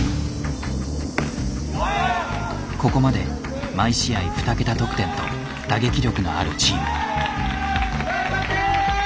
ここまで毎試合２桁得点と打撃力のあるチーム。